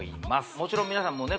もちろん皆さんもね